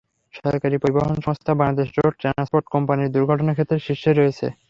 সরকারি পরিবহন সংস্থা বাংলাদেশ রোড ট্রান্সপোর্ট কোম্পানি দুর্ঘটনার ক্ষেত্রে শীর্ষে রয়েছে।